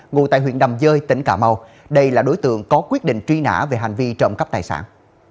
ngụ tại huyện đầm dơi tỉnh cà mau đây là đối tượng có quyết định truy nã về hành vi trộm cắp tài sản